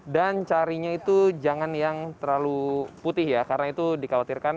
dan carinya itu jangan yang terlalu putih ya karena itu dikhawatirkan